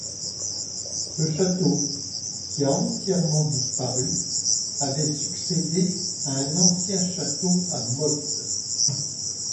Ce château qui a entièrement disparu avait succédé à un ancien château à motte.